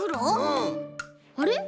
あれ？